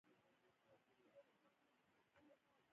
زه باید روغتون ته ولاړ سم